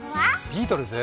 ビートルズ？